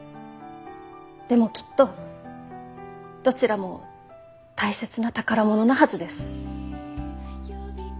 でもきっとどちらも大切な宝物なはずです。